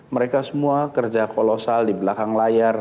mereka semua kerja kolosal di belakang layar